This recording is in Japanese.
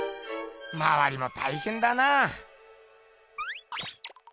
まわりもたいへんだな。